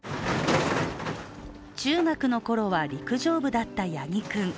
中学のころは陸上部だった八木君。